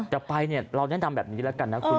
จะไปเนี่ยเราแนะนำแบบนี้แล้วกันนะคุณ